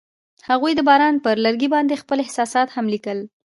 هغوی د باران پر لرګي باندې خپل احساسات هم لیکل.